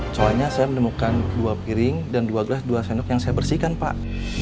soalnya saya menemukan dua piring dan dua gelas dua sendok yang saya bersihkan pak